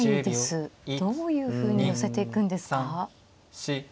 どういうふうに寄せていくんですか。